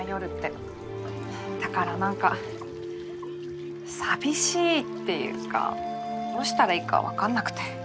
だから何か寂しいっていうかどうしたらいいか分かんなくて。